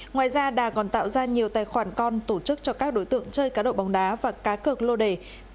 ngoài ra đà còn tạo ra nhiều tài khoản con tổ chức cho các đối tượng chơi cá độ bóng đá và cá cực lô đề